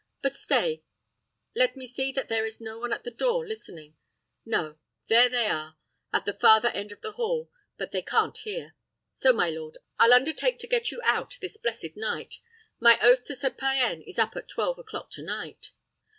But stay, let me see that there is no one at the door listening: no, there they are, at the farther end of the hall, but they can't hear. So, my lord, I'll undertake to get you out this blessed night. My oath to Sir Payan is up at twelve o'clock to night."